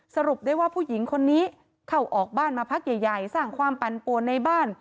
สรุปได้ว่าผู้หญิงคนนี้เข้าออกบ้านมาพักใหญ่สร้างความปั่นปวนในบ้าน